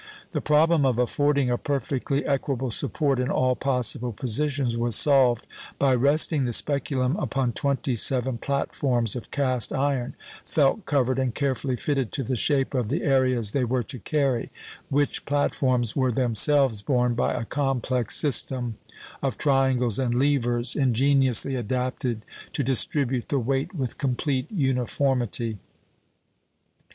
The problem of affording a perfectly equable support in all possible positions was solved by resting the speculum upon twenty seven platforms of cast iron, felt covered, and carefully fitted to the shape of the areas they were to carry, which platforms were themselves borne by a complex system of triangles and levers, ingeniously adapted to distribute the weight with complete uniformity.